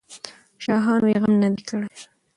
شاهانو یې غم نه دی کړی.